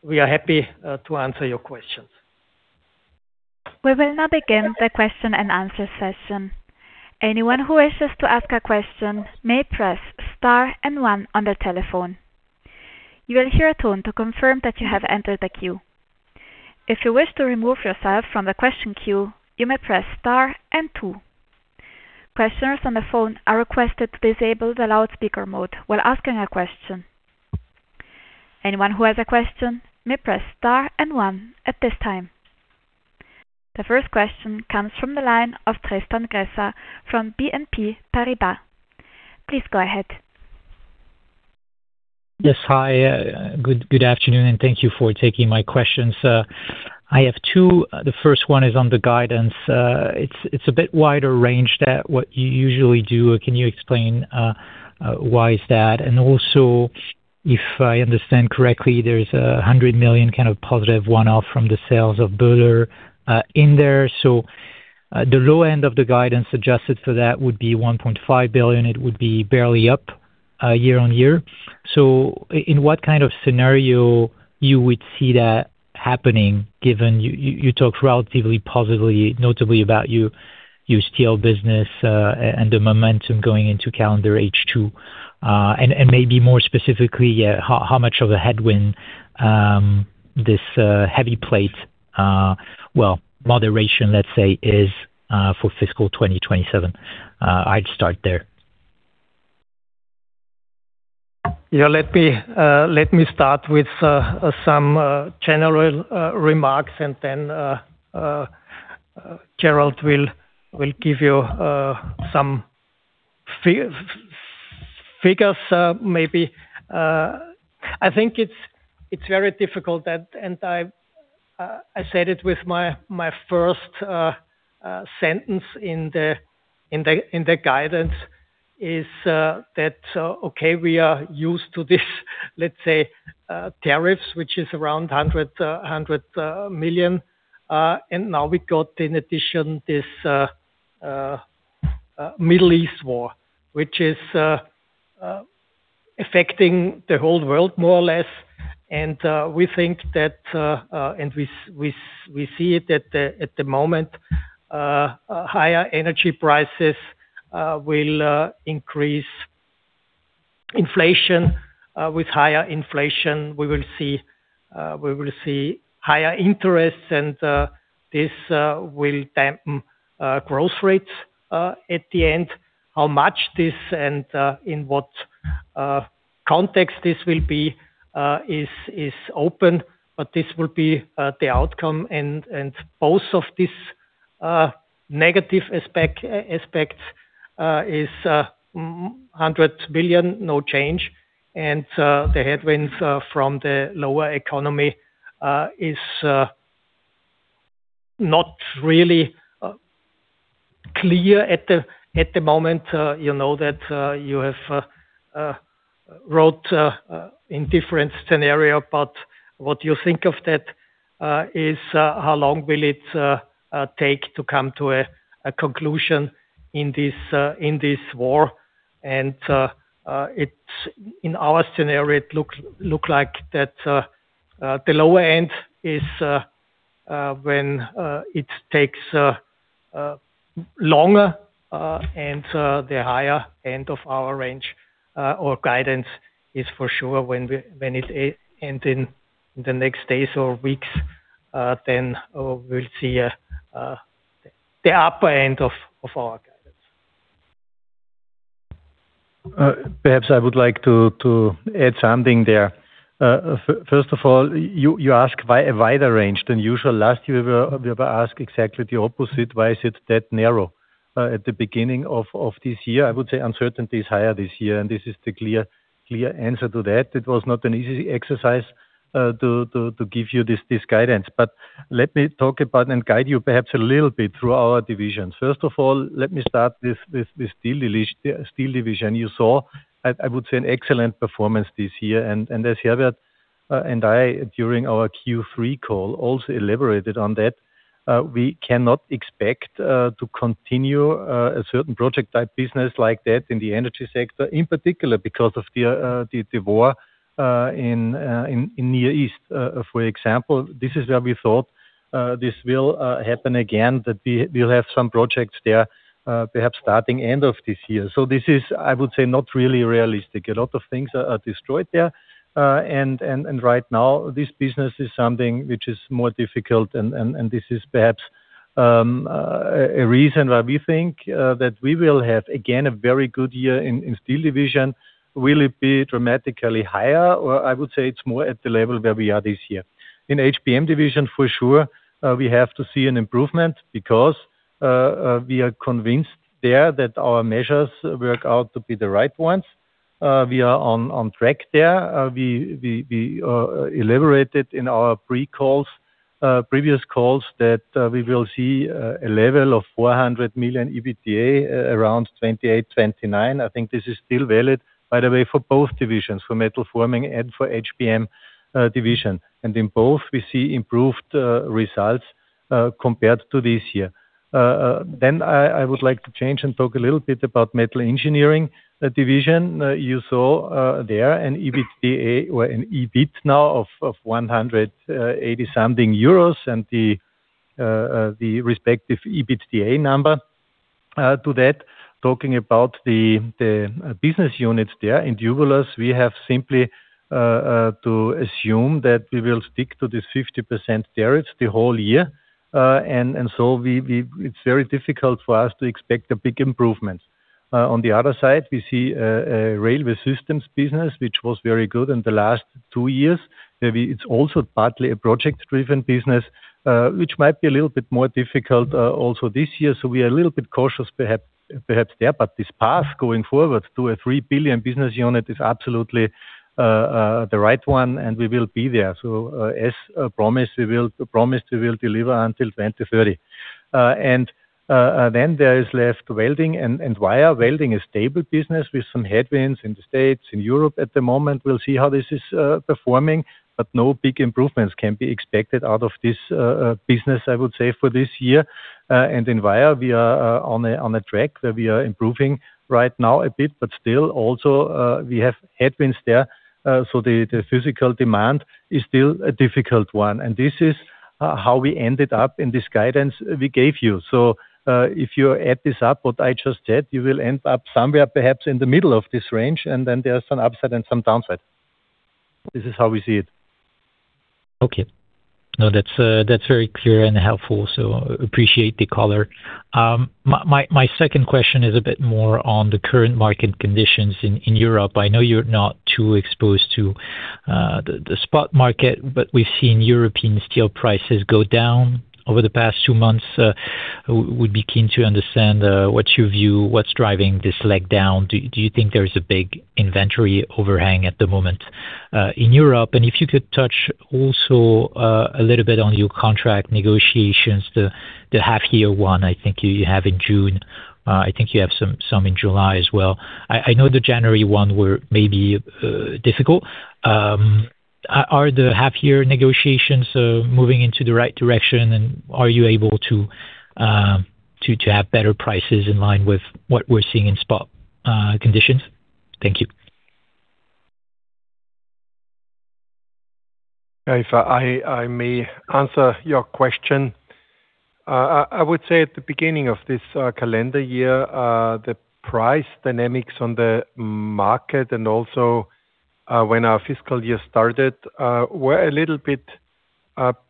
happy to answer your questions. We will now begin the question-and-answer session. Anyone who wishes to ask a question may press star and one on the telephone. You will hear a tone to confirm that you have entered the queue. If you wish to remove yourself from the question queue, you may press star and two. Questioners on the phone are requested to disable the loudspeaker mode while asking a question. Anyone who has a question may press star and one at this time. The first question comes from the line of Tristan Gresser from BNP Paribas. Please go ahead. Yes. Hi, good afternoon, and thank you for taking my questions. I have two. The first one is on the guidance. It's a bit wider range than what you usually do. Can you explain why is that? Also, if I understand correctly, there is 100 million kind of positive one-off from the sales of Buderus in there. The low end of the guidance adjusted for that would be 1.5 billion. It would be barely up year-on-year. In what kind of scenario you would see that happening, given you talked relatively positively, notably about your steel business, and the momentum going into calendar H2, and maybe more specifically, how much of a headwind this heavy plate, well, moderation, let's say, is for fiscal 2027? I'd start there. Let me start with some general remarks. Then Gerald will give you some figures, maybe. I think it's very difficult. I said it with my first sentence in the guidance is that, okay, we are used to this, let's say, tariffs, which is around 100 million. Now we got, in addition, this Middle East war, which is affecting the whole world more or less. We think that, and we see it at the moment, higher energy prices will increase inflation. With higher inflation, we will see higher interest, this will dampen growth rates at the end. How much this and in what context this will be is open, this will be the outcome. Both of these negative aspects is 100 billion, no change. The headwinds from the lower economy is not really clear at the moment. You know that you have wrote in different scenarios, but what you think of that is how long will it take to come to a conclusion in this war. In our scenario, it looks like that the lower end is when it takes longer, and the higher end of our range or guidance is for sure when it ends in the next days or weeks, then we'll see the upper end of our guidance. Perhaps I would like to add something there. You ask quite a wider range than usual. Last year, we were asked exactly the opposite. Why is it that narrow? At the beginning of this year, I would say uncertainty is higher this year. This is the clear answer to that. It was not an easy exercise to give you this guidance. Let me talk about and guide you perhaps a little bit through our divisions. Let me start with the Steel Division. You saw, I would say, an excellent performance this year. As Herbert and I, during our Q3 call, also elaborated on that, we cannot expect to continue a certain project-type business like that in the energy sector, in particular, because of the war in the Near East, for example. This is where we thought this will happen again, that we'll have some projects there, perhaps starting end of this year. This is, I would say, not really realistic. A lot of things are destroyed there. Right now, this business is something which is more difficult, and this is perhaps a reason why we think that we will have, again, a very good year in Steel Division. Will it be dramatically higher, or I would say it's more at the level where we are this year. In HPM Division, for sure, we have to see an improvement because we are convinced there that our measures work out to be the right ones. We are on track there. We elaborated in our previous calls that we will see a level of 400 million EBITDA, around 2028/2029. I think this is still valid, by the way, for both divisions, for Metal Forming and for HPM Division. In both, we see improved results compared to this year. I would like to change and talk a little bit about Metal Engineering Division. You saw there an EBIT now of 180-something euros and the respective EBITDA number to that. Talking about the business units there, in Tubulars, we have simply to assume that we will stick to this 50% tariffs the whole year. It's very difficult for us to expect a big improvement. On the other side, we see a Railway Systems business, which was very good in the last two years, where it's also partly a project driven business, which might be a little bit more difficult also this year. We are a little bit cautious perhaps there, but this path going forward to a 3 billion business unit is absolutely the right one, and we will be there. As promised, we will deliver until 2030. Then there is left welding and wire. Welding is stable business with some headwinds in the U.S., in Europe at the moment. We will see how this is performing, but no big improvements can be expected out of this business, I would say, for this year. In wire, we are on a track where we are improving right now a bit, but still also, we have headwinds there. The physical demand is still a difficult one. This is how we ended up in this guidance we gave you. If you add this up, what I just said, you will end up somewhere perhaps in the middle of this range, and then there's some upside and some downside. This is how we see it. Okay. That's very clear and helpful, so I appreciate the color. My second question is a bit more on the current market conditions in Europe. I know you're not too exposed to the spot market, but we've seen European steel prices go down over the past two months. I would be keen to understand what's your view, what's driving this leg down. Do you think there's a big inventory overhang at the moment in Europe? If you could touch also a little bit on your contract negotiations, the half year one I think you have in June. I think you have some in July as well. I know the January one were maybe difficult. Are the half year negotiations moving into the right direction, and are you able to have better prices in line with what we're seeing in spot conditions? Thank you. If I may answer your question. I would say at the beginning of this calendar year, the price dynamics on the market and also when our fiscal year started, were a little bit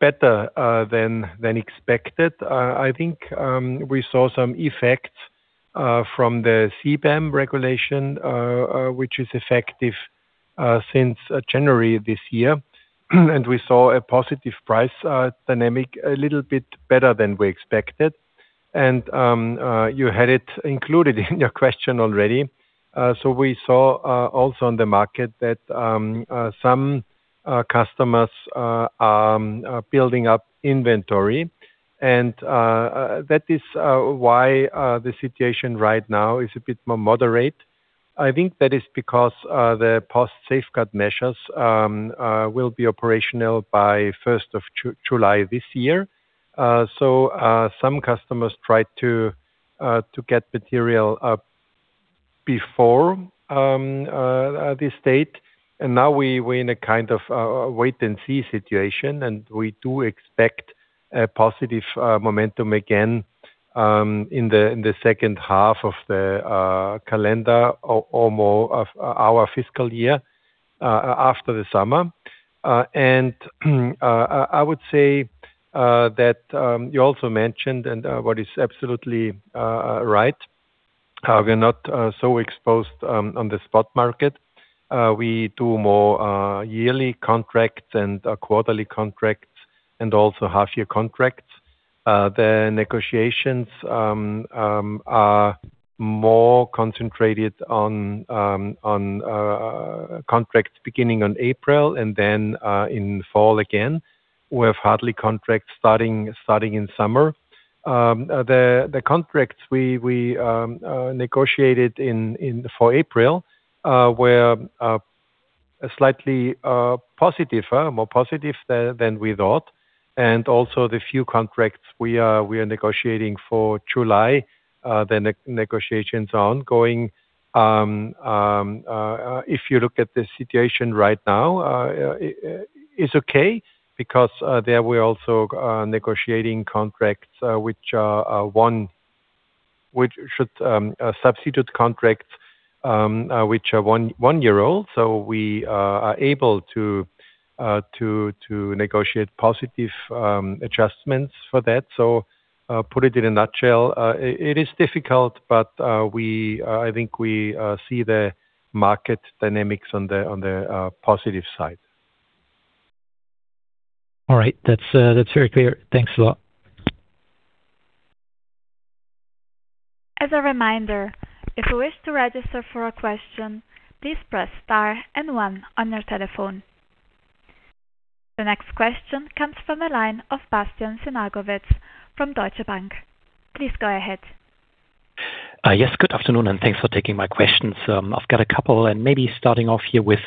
better than expected. I think we saw some effects from the CBAM regulation, which is effective since January this year. We saw a positive price dynamic, a little bit better than we expected. You had it included in your question already. We saw also on the market that some customers are building up inventory. That is why the situation right now is a bit more moderate. I think that is because the steel safeguard measures will be operational by 1st of July this year. Some customers tried to get material up before this date. Now we're in a kind of a wait and see situation, and we do expect a positive momentum again in the second half of the calendar or more of our fiscal year, after the summer. I would say that you also mentioned and what is absolutely right, we're not so exposed on the spot market. We do more yearly contracts and quarterly contracts and also half year contracts. The negotiations are more concentrated on contracts beginning on April and then in fall again. We have hardly contracts starting in summer. The contracts we negotiated for April were Slightly positive, more positive than we thought. Also the few contracts we are negotiating for July, the negotiations are ongoing. If you look at the situation right now, it's okay, because there we're also negotiating contracts which should substitute contracts which are one year old. We are able to negotiate positive adjustments for that. Put it in a nutshell, it is difficult, but I think we see the market dynamics on the positive side. All right. That's very clear. Thanks a lot. As a reminder, if you wish to register for a question, please press star and one on your telephone. The next question comes from the line of Bastian Synagowitz from Deutsche Bank. Please go ahead. Yes, good afternoon. Thanks for taking my questions. I've got a couple. Maybe starting off here with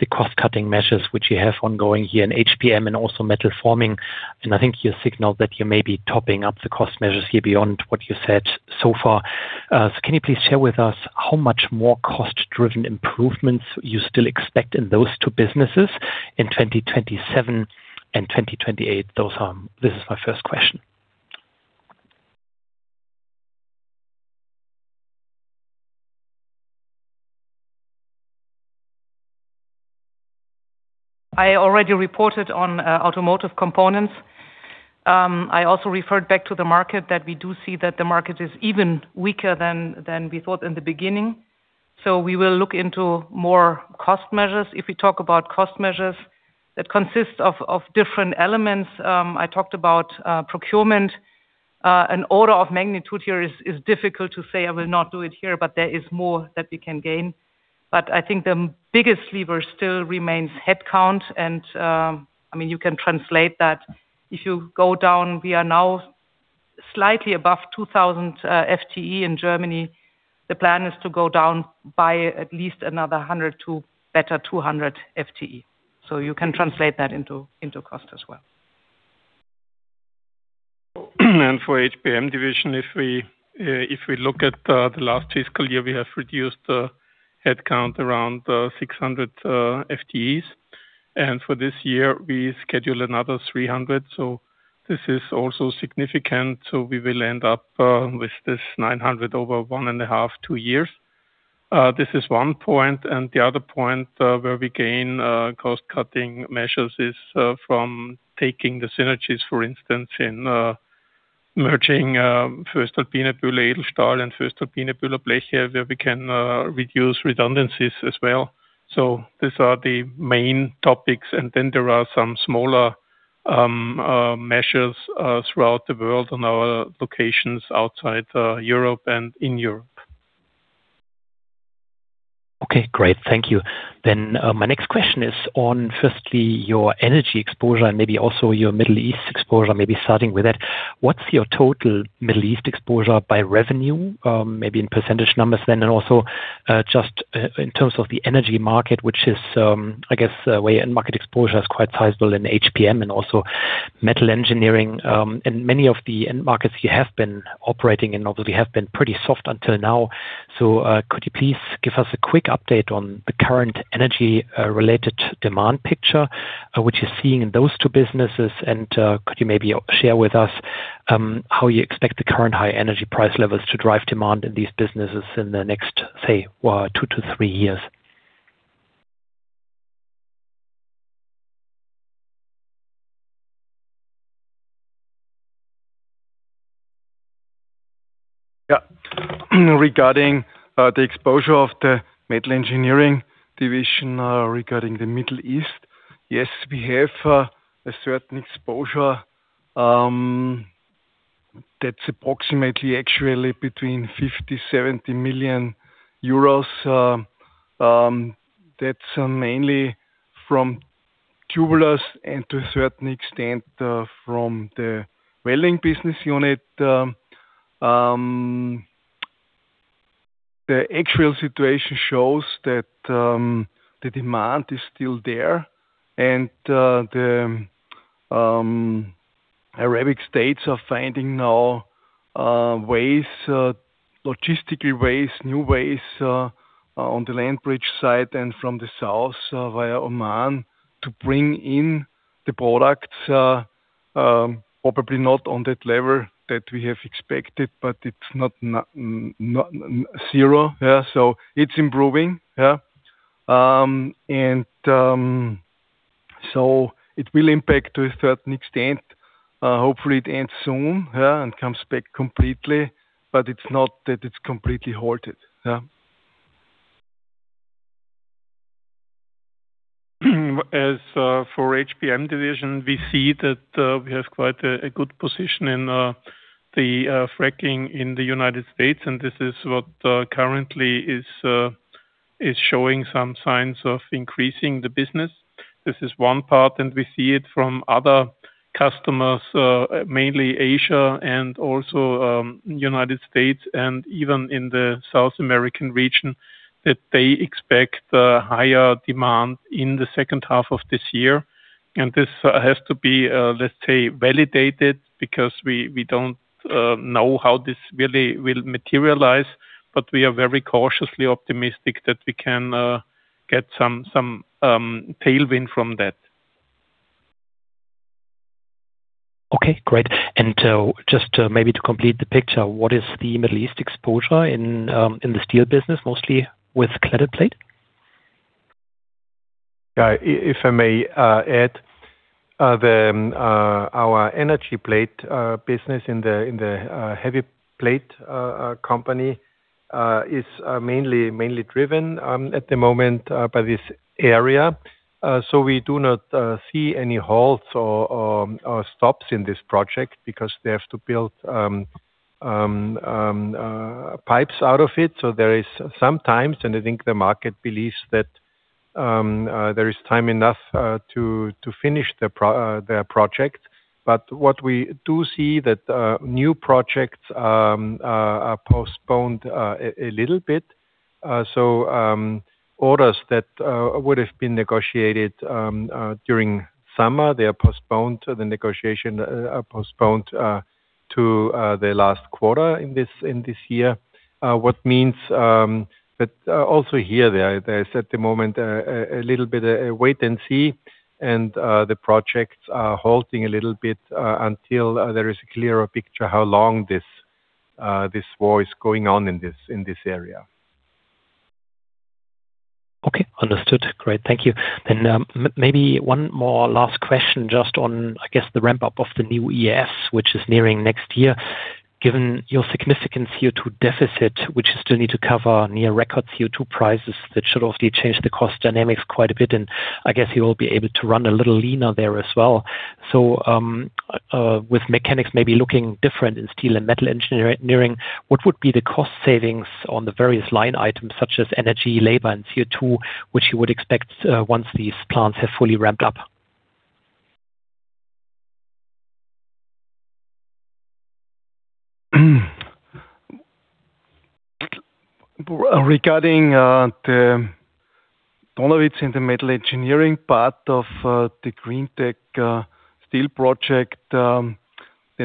the cost-cutting measures which you have ongoing here in HPM and also Metal Forming. I think you signaled that you may be topping up the cost measures here beyond what you said so far. Can you please share with us how much more cost-driven improvements you still expect in those two businesses in 2027 and 2028? This is my first question. I already reported on Automotive Components. I also referred back to the market that we do see that the market is even weaker than we thought in the beginning. We will look into more cost measures. If we talk about cost measures, that consists of different elements. I talked about procurement. An order of magnitude here is difficult to say. I will not do it here, but there is more that we can gain. I think the biggest lever still remains headcount, and you can translate that. If you go down, we are now slightly above 2,000 FTE in Germany. The plan is to go down by at least another 100 FTE to better 200 FTE. You can translate that into cost as well. For HPM Division, if we look at the last fiscal year, we have reduced the headcount around 600 FTEs. For this year, we schedule another 300 FTE, this is also significant. We will end up with this 900 FTE over one and a half, two years. This is one point, and the other point where we gain cost-cutting measures is from taking the synergies, for instance, in merging voestalpine BÖHLER Edelstahl and voestalpine BÖHLER Bleche, where we can reduce redundancies as well. These are the main topics, and then there are some smaller measures throughout the world on our locations outside Europe and in Europe. Okay, great. Thank you. My next question is on, firstly, your energy exposure and maybe also your Middle East exposure, maybe starting with that. What's your total Middle East exposure by revenue? Maybe in percentage numbers then, also just in terms of the energy market, which is, I guess, where your end market exposure is quite sizable in HPM and also Metal Engineering. Many of the end markets you have been operating in obviously have been pretty soft until now. Could you please give us a quick update on the current energy-related demand picture, what you're seeing in those two businesses, and could you maybe share with us how you expect the current high energy price levels to drive demand in these businesses in the next, say, two to three years? Yeah. Regarding the exposure of the Metal Engineering Division, regarding the Middle East, yes, we have a certain exposure, that's approximately actually between 50 million-70 million euros. That's mainly from Tubulars and to a certain extent, from the welding business unit. The actual situation shows that the demand is still there. The Arabic states are finding now ways, logistical ways, new ways, on the land bridge side and from the south via Oman to bring in the products. Probably not on that level that we have expected, it's not zero. It's improving. It will impact to a certain extent. Hopefully, it ends soon and comes back completely, it's not that it's completely halted. As for HPM division, we see that we have quite a good position in the fracking in the United States, and this is what currently is showing some signs of increasing the business. This is one part, and we see it from other customers, mainly Asia and also United States, and even in the South American region, that they expect a higher demand in the second half of this year. This has to be, let's say, validated, because we don't know how this really will materialize, but we are very cautiously optimistic that we can get some tailwind from that. Okay, great. Just maybe to complete the picture, what is the Middle East exposure in the steel business, mostly with cladded plate? If I may add, our energy plate business in the heavy plate company is mainly driven at the moment by this area. We do not see any halts or stops in this project because they have to build pipes out of it. There is some time, and I think the market believes that there is time enough to finish their project. What we do see that new projects are postponed a little bit. Orders that would have been negotiated during summer, they are postponed, the negotiation are postponed to the last quarter in this year. What means that also here, there is at the moment a little bit a wait and see, and the projects are halting a little bit until there is a clearer picture how long this war is going on in this area. Okay, understood. Great. Thank you. Maybe one more last question just on, I guess the ramp-up of the new EAF, which is nearing next year. Given your significant CO2 deficit, which you still need to cover near record CO2 prices, that should obviously change the cost dynamics quite a bit, and I guess you will be able to run a little leaner there as well. With mechanics maybe looking different in Steel and Metal Engineering, what would be the cost savings on the various line items such as energy, labor, and CO2, which you would expect once these plants have fully ramped up? Regarding the Donawitz and the Metal Engineering part of the greentec steel project, the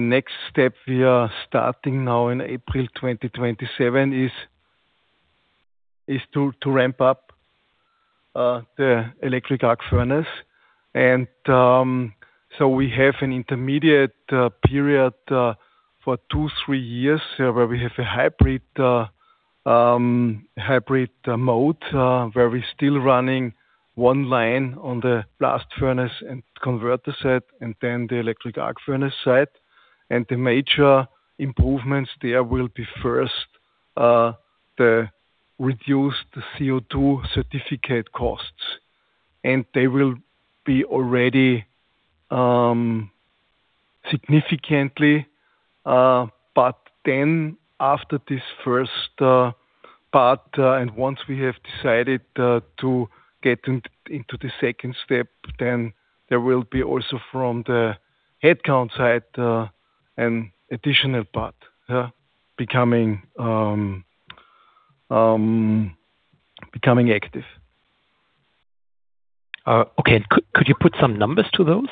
next step we are starting now in April 2027 is to ramp up the electric arc furnace. So we have an intermediate period for two, three years where we have a hybrid mode, where we're still running one line on the blast furnace and converter set and then the electric arc furnace side. The major improvements there will be first, the reduced CO2 certificate costs, they will be already significantly. After this first part, and once we have decided to get into the second step, then there will be also from the headcount side, an additional part becoming active. Okay. Could you put some numbers to those?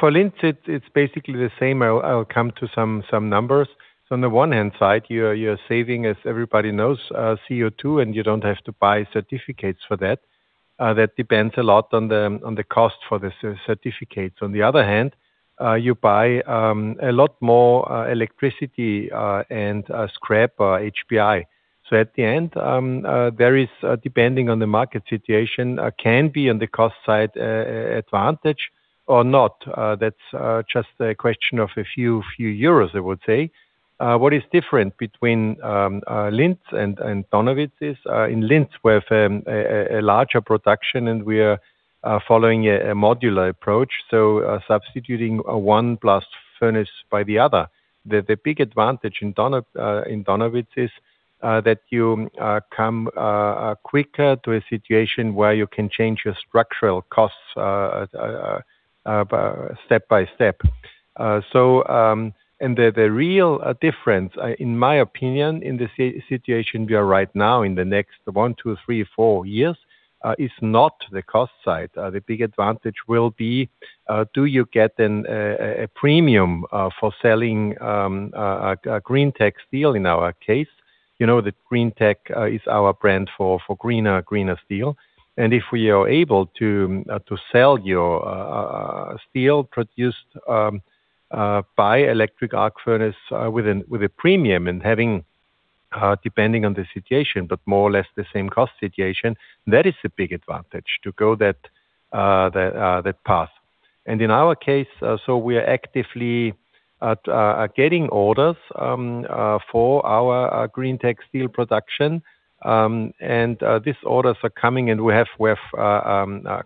For Linz, it's basically the same. I'll come to some numbers. On the one hand side, you're saving, as everybody knows, CO2, and you don't have to buy certificates for that. That depends a lot on the cost for the certificates. On the other hand, you buy a lot more electricity and scrap HBI. At the end, there is, depending on the market situation, can be on the cost side advantage or not. That's just a question of a few euros, I would say. What is different between Linz and Donawitz is, in Linz, we have a larger production, and we are following a modular approach, so substituting one blast furnace by the other. The big advantage in Donawitz is that you come quicker to a situation where you can change your structural costs step by step. The real difference, in my opinion, in the situation we are right now in the next one, two, three, four years, is not the cost side. The big advantage will be, do you get a premium for selling a greentec steel in our case? You know that greentec is our brand for greener steel. If we are able to sell you steel produced by electric arc furnace with a premium and having, depending on the situation, but more or less the same cost situation, that is a big advantage to go that path. In our case, we are actively getting orders for our greentec steel production. These orders are coming, and we have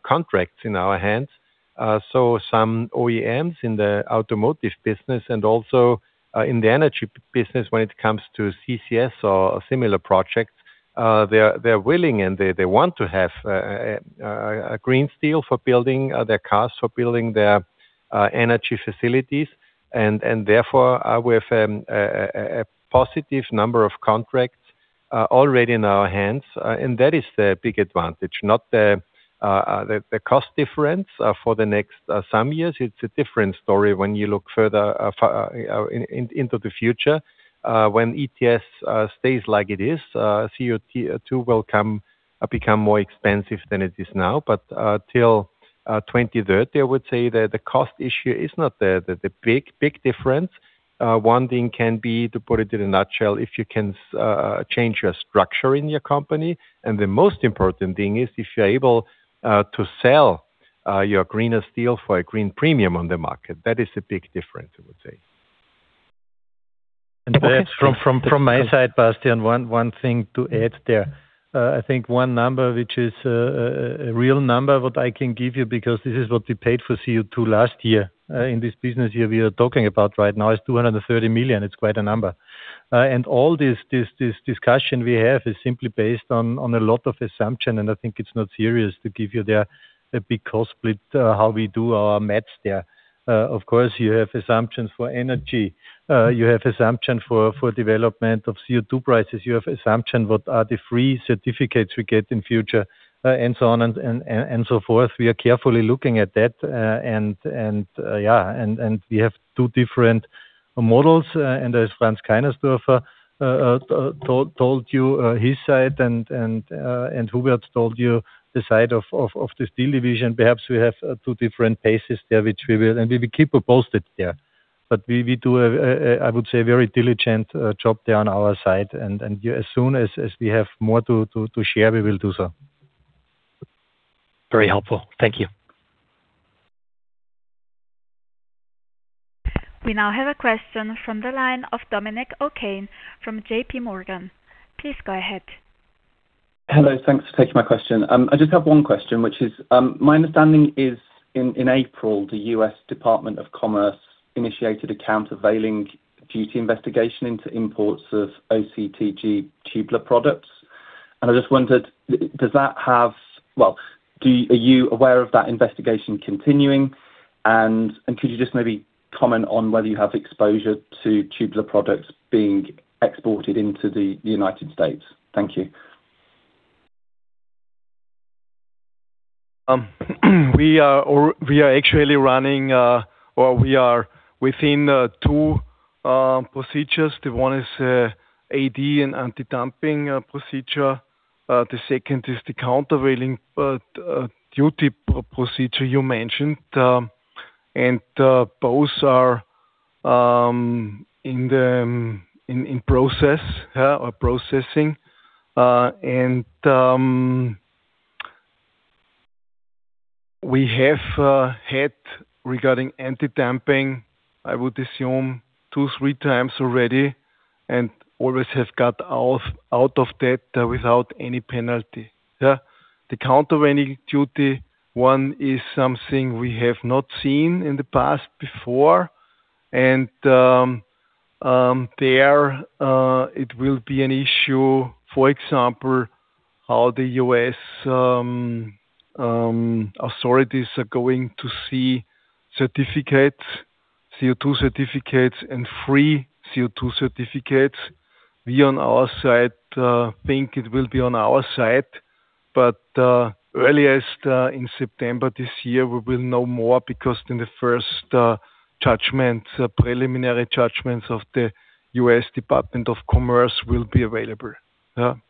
contracts in our hands Some OEMs in the Automotive business and also in the energy business when it comes to CCS or similar projects, they're willing and they want to have a green steel for building their cars, for building their energy facilities. Therefore, with a positive number of contracts already in our hands. That is the big advantage, not the cost difference for the next some years. It's a different story when you look further into the future, when ETS stays like it is, CO2 will become more expensive than it is now. Till 2030, I would say that the cost issue is not the big difference. One thing can be, to put it in a nutshell, if you can change your structure in your company. The most important thing is if you're able to sell your greener steel for a green premium on the market. That is a big difference, I would say. From my side, Bastian, one thing to add there. I think one number, which is a real number, what I can give you, because this is what we paid for CO2 last year, in this business year we are talking about right now, is 230 million. It is quite a number. All this discussion we have is simply based on a lot of assumption, and I think it is not serious to give you there a big cost split, how we do our math there. Of course, you have assumptions for energy. You have assumption for development of CO2 prices. You have assumption what are the free certificates we get in future and so on and so forth. We are carefully looking at that. Yeah. We have two different models, and as Franz Kainersdorfer told you his side and Hubert told you the side of the Steel Division, perhaps we have two different paces there which we will, and we will keep you posted there. We do, I would say, a very diligent job there on our side. As soon as we have more to share, we will do so. Very helpful. Thank you. We now have a question from the line of Dominic O'Kane from JPMorgan. Please go ahead. Hello. Thanks for taking my question. I just have one question, which is, my understanding is in April, the U.S. Department of Commerce initiated a countervailing duty investigation into imports of OCTG tubular products. I just wondered, are you aware of that investigation continuing? Could you just maybe comment on whether you have exposure to tubular products being exported into the United States? Thank you. We are actually running or we are within two procedures. The one is AD and anti-dumping procedure. The second is the countervailing duty procedure you mentioned. Both are in process or processing. We have had regarding anti-dumping, I would assume two, three times already and always have got out of doubt there without any penalty. The countervailing duty one is something we have not seen in the past before. There, it will be an issue, for example, how the U.S. authorities are going to see certificates, CO2 certificates and free CO2 certificates. We on our side think it will be on our side, but earliest in September this year, we will know more because then the first judgment, preliminary judgments of the U.S. Department of Commerce will be available. Cannot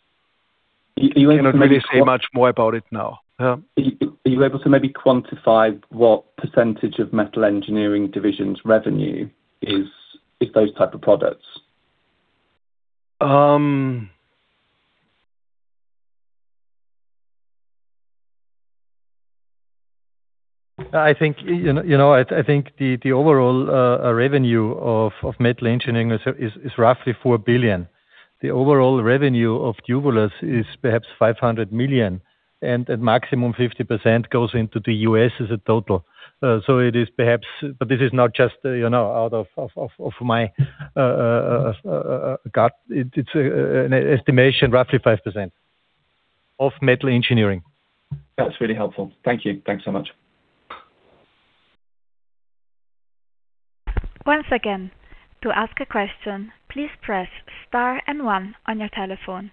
really say much more about it now. Are you able to maybe quantify what percentage of Metal Engineering Division's revenue is those type of products? I think the overall revenue of Metal Engineering is roughly 4 billion. The overall revenue of Tubulars is perhaps 500 million, and at maximum 50% goes into the U.S. as a total. This is not just out of my gut. It's an estimation, roughly 5% of Metal Engineering. That's really helpful. Thank you. Thanks so much. Once again, to ask a question, please press star and one on your telephone.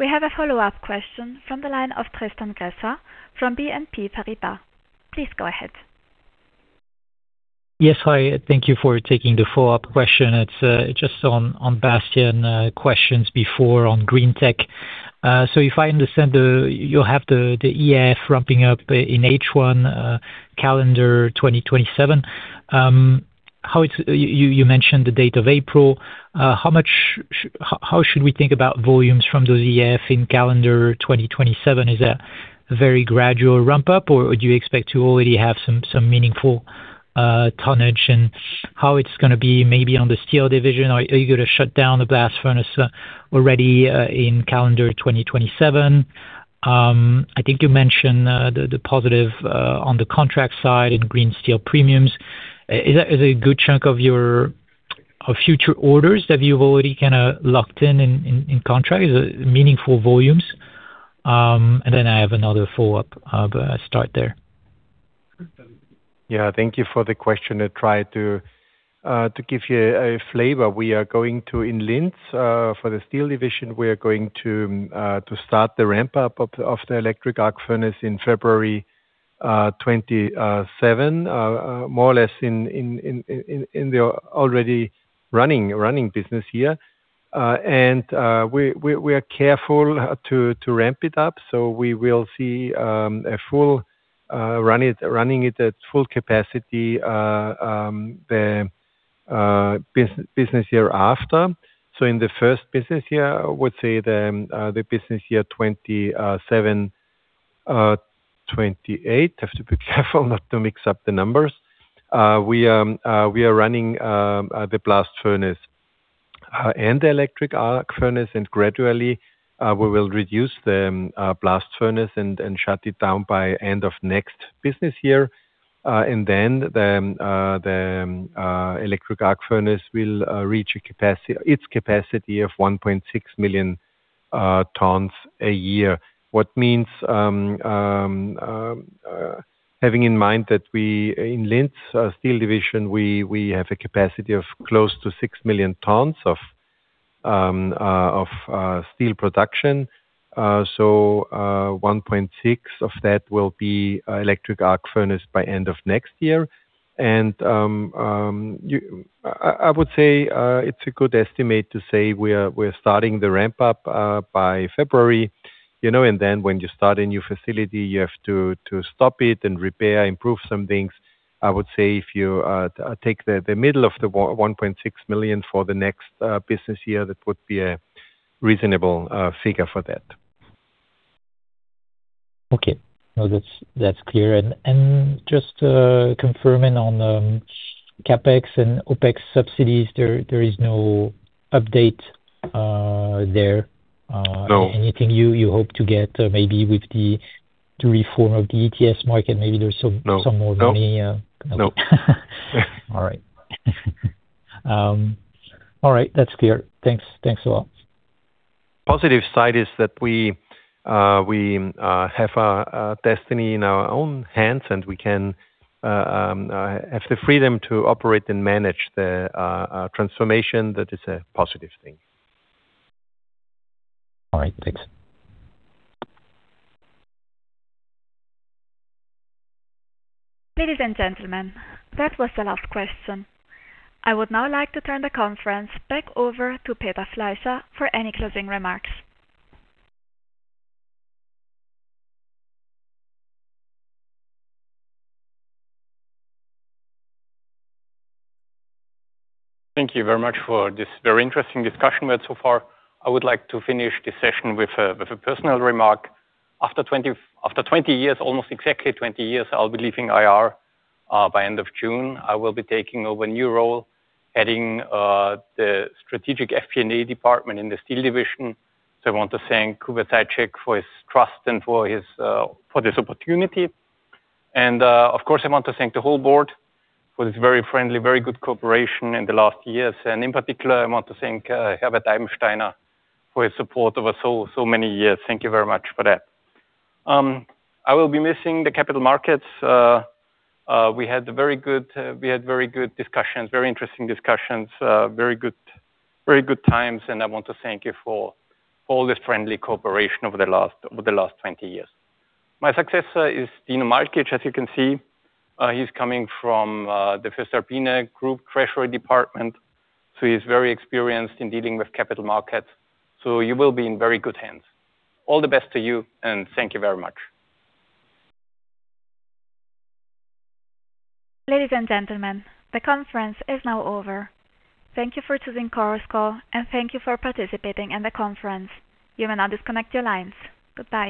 We have a follow-up question from the line of Tristan Gresser from BNP Paribas. Please go ahead. Yes. Hi, thank you for taking the follow-up question. It's just on Bastian questions before on greentec steel. If I understand, you'll have the EAF ramping up in H1 calendar 2027. You mentioned the date of April. How should we think about volumes from those EAF in calendar 2027? Is that a very gradual ramp-up, or do you expect to already have some meaningful tonnage? How it's going to be maybe on the Steel Division? Are you going to shut down the blast furnace already in calendar 2027? I think you mentioned the positive on the contract side in green steel premiums. Is a good chunk of your Of future orders that you've already locked in contract, is it meaningful volumes? Then I have another follow-up. I'll start there. Thank you for the question. I try to give you a flavor. In Linz, for the Steel Division, we are going to start the ramp-up of the electric arc furnace in February 2027, more or less in the already running business year. We are careful to ramp it up, so we will see running it at full capacity the business year after. In the first business year, I would say the business year 2027/2028. I have to be careful not to mix up the numbers. We are running the blast furnace and the electric arc furnace, gradually, we will reduce the blast furnace and shut it down by end of next business year. The electric arc furnace will reach its capacity of 1.6 million tons a year. Having in mind that we, in Linz Steel Division, we have a capacity of close to 6 million tons of steel production. 1.6 million tons of that will be electric arc furnace by end of next year. I would say it's a good estimate to say we're starting the ramp-up by February. When you start a new facility, you have to stop it and repair, improve some things. I would say if you take the middle of the 1.6 million tons for the next business year, that would be a reasonable figure for that. Okay. No, that's clear. Just confirming on CapEx and OpEx subsidies, there is no update there? No. Anything you hope to get maybe with the reform of the ETS market, maybe there's some more money? No. All right. All right. That's clear. Thanks a lot. Positive side is that we have our destiny in our own hands, and we can have the freedom to operate and manage the transformation. That is a positive thing. All right. Thanks. Ladies and gentlemen, that was the last question. I would now like to turn the conference back over to Peter Fleischer for any closing remarks. Thank you very much for this very interesting discussion we had so far. I would like to finish the session with a personal remark. After almost exactly 20 years, I'll be leaving IR by end of June. I will be taking over a new role heading the strategic FP&A department in the Steel Division. I want to thank Hubert Zajicek for his trust and for this opportunity. Of course, I want to thank the whole Board for this very friendly, very good cooperation in the last years. In particular, I want to thank Herbert Eibensteiner for his support over so many years. Thank you very much for that. I will be missing the capital markets. We had very good discussions, very interesting discussions, very good times. I want to thank you for all the friendly cooperation over the last 20 years. My successor is Dino Malkic, as you can see. He's coming from the voestalpine Group Treasury Department, so he's very experienced in dealing with capital markets, so you will be in very good hands. All the best to you, and thank you very much. Ladies and gentlemen, the conference is now over. Thank you for choosing Chorus Call, and thank you for participating in the conference. You may now disconnect your lines. Goodbye